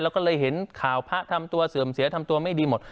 แล้วก็เลยเห็นข่าวพระทำตัวเสื่อมเสียทำตัวไม่ดีหมด